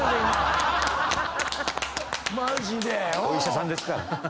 お医者さんですから。